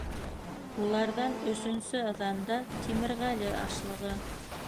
Уларҙан өсөнсө ыҙанда Тимерғәле ашлығы.